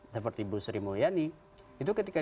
seperti bruce rimulyani itu ketika